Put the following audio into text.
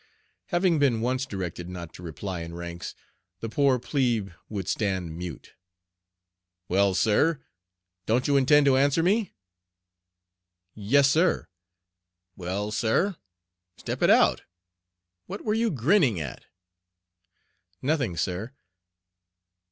Having been once directed not to reply in ranks, the poor "plebe" would stand mute. "Well, sir, don't you intend to answer me?" "Yes, sir." "Well, sir, step it out. What were you grinning at?" "Nothing, sir."